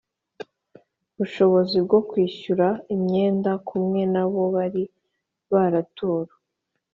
Bushobozi bwo kwishyura imyenda kumwe na bo bari baraturu